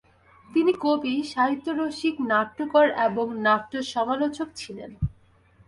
তিনি কবি, সাহিত্যরসিক, নাট্যকার এবং নাট্যসমালোচক ছিলেন।